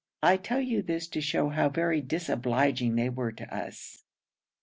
I tell this to show how very disobliging they were to us.